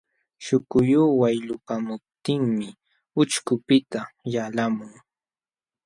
Śhukulluway lupamuptinmi ucćhkunpiqta yalqamun.